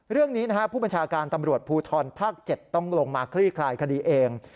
เรื่องนี้ผู้บัญชาการตำรวจภูทรภาค๗ต้องลงมาคลี่คลายคดีเอง